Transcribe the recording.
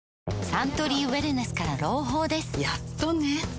サントリーウエルネスから朗報ですやっとね